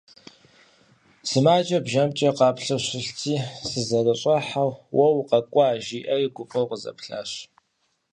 Сымаджэр бжэмкӀэ къаплъэу щылъти, сызэрыщӀыхьэу «Уо, укъэкӀуа!» жиӀэри гуфӀэу къызэплъащ.